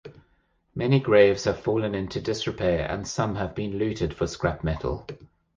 Many graves have fallen into disrepair and some have been looted for scrap metal.